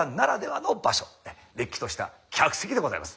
れっきとした客席でございます。